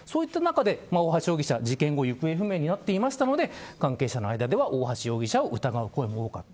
大橋容疑者が事件後に行方不明になっていたので関係者の間では大橋容疑者を疑う声も多かった。